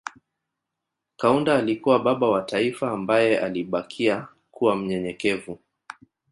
Kaunda alikuwa baba wa taifa ambaye alibakia kuwa mnyenyekevu